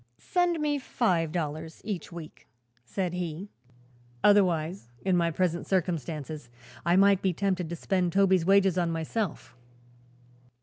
"Send me five dollars each week," said he. "Otherwise, in my present circumstances, I might be tempted to spend Toby's wages on myself."